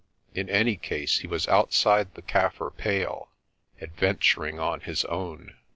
In any case he was outside the Kaffir pale, adventuring on his own.